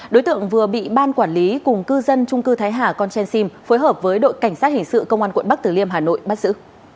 đối tượng vừa bị ban quản lý cùng cư dân trung cư thái hà con train sim phối hợp với đội cảnh sát hình sự công an quận bắc tử liêm hà nội bắt giữ